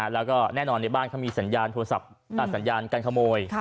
แล้วก็แน่นอนในบ้านมีสัญญาณการขโมย